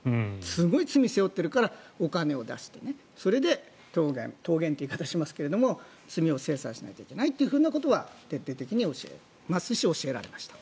すごい罪を背負っているからお金を出してそれで蕩減という言い方をしますが罪を清算しないといけないというふうなことは徹底的に教えますし教えられました。